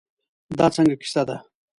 دا څنګه کیسه ده.